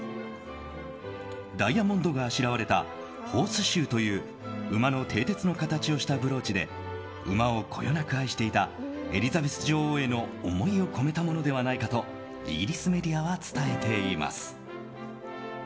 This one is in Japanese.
ダイヤモンドがあしらわれたホースシューという馬の蹄鉄の形をしたブローチで馬をこよなく愛していたエリザベス女王への思いを込めたものではないかとイギリスメディアは伝えています。